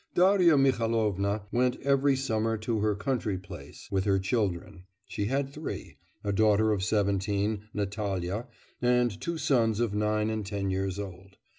Darya Mihailovna went every summer to her country place with her children (she had three: a daughter of seventeen, Natalya, and two sons of nine and ten years old).